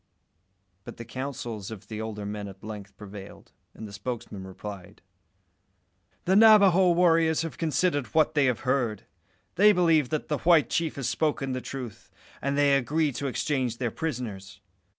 But the counsels of the older men at length prevailed, and the spokesman replied "The Navajo warriors have considered what they have heard. They believe that the white chief has spoken the truth, and they agree to exchange their prisoners.